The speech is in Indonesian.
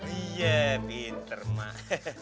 iya pinter mak